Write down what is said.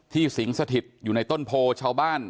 สิงสถิตอยู่ในต้นโพชาวบ้าน